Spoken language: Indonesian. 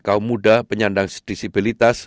kaum muda penyandang disibilitas